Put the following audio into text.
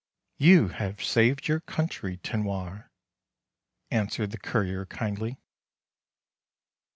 " You have saved your country, Tinoir," answered the courier kindly.